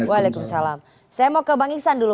waalaikumsalam saya mau ke bang iksan dulu